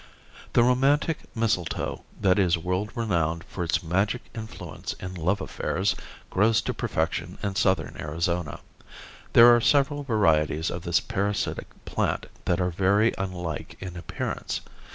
The romantic mistletoe that is world renowned for its magic influence in love affairs, grows to perfection in southern Arizona. There are several varieties of this parasitic plant that are very unlike in appearance.